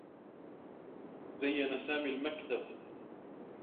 زيّن سامي المكتب.